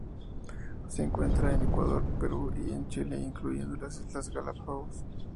Se encuentra en Ecuador, Perú y Chile, incluyendo las Islas Galápagos.